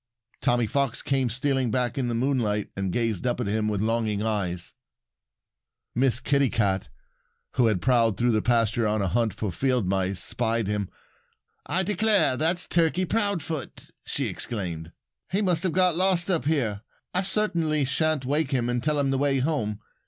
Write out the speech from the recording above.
Tommy Fox came stealing back in the moonlight and gazed up at him with longing eyes. Miss Kitty Cat, who had prowled through the pasture on a hunt for field mice, spied him. "I declare, that's Turkey Proudfoot!" she exclaimed. "He must have got lost up here. I certainly shan't wake him and tell him the way home.